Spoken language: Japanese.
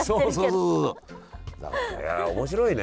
いや面白いね。